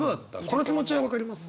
この気持ちは分かります？